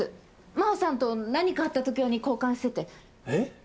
真帆さんと何かあった時用に交換していて。